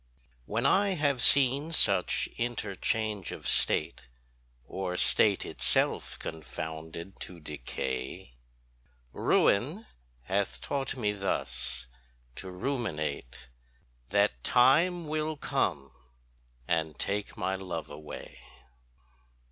When I have seen such interchange of State, Or state it self confounded, to decay, Ruin hath taught me thus to ruminate That Time will come and take my love away.